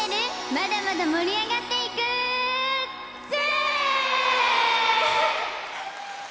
まだまだ盛り上がっていくＺ！